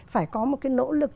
phải có một cái nỗ lực